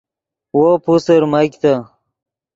وو پوسر میگتے